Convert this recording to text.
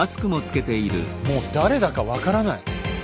もう誰だか分からない。